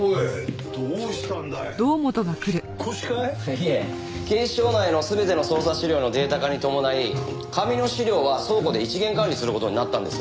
いえ警視庁内の全ての捜査資料のデータ化に伴い紙の資料は倉庫で一元管理する事になったんです。